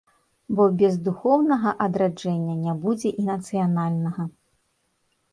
Бо без духоўнага адраджэння не будзе і нацыянальнага.